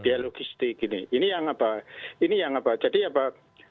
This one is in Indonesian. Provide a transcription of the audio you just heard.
jadi mestinya intang intangnya